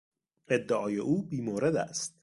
ادعای او بی مورد است.